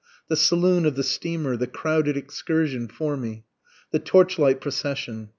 The saloon of the steamer! the crowded excursion for me! the torchlight procession!